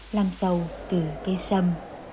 làm giàu từ cây xâm